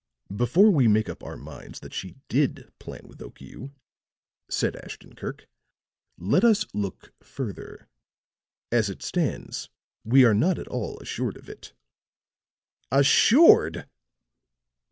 "Before we make up our minds that she did plan with Okiu," said Ashton Kirk, "let us look further. As it stands we are not at all assured of it." "Assured!"